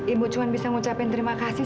ibu cuma bisa ngucapin terima kasih